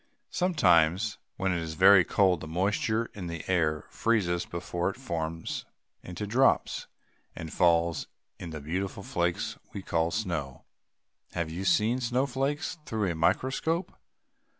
"] Sometimes, when it is very cold, the moisture in the air freezes before it forms into drops, and falls in the beautiful flakes we call snow. Have you ever seen snowflakes through a microscope?